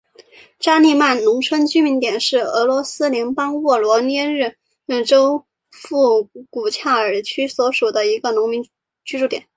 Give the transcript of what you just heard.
扎利曼农村居民点是俄罗斯联邦沃罗涅日州博古恰尔区所属的一个农村居民点。